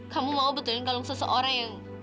kamu mau betulin kalau seseorang yang